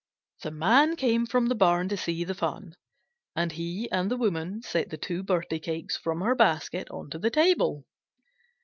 The Man came from the barn to see the fun, and he and the Woman set the two birthday cakes from her basket onto the table.